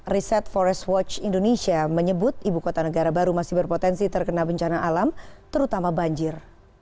riset forest watch indonesia menyebut ibu kota negara baru masih berpotensi terkena bencana alam terutama banjir